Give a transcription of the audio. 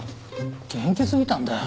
元気すぎたんだよ。